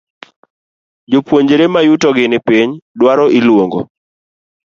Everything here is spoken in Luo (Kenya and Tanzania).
Jopuonjre mayuto gi ni piny dwaro iluongo